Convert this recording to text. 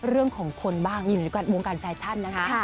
เรื่องของคนบ้างอยู่ในวงการแฟชั่นนะคะ